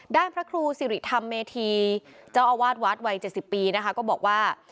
พระครูสิริธรรมเมธีเจ้าอาวาสวัดวัย๗๐ปีนะคะก็บอกว่า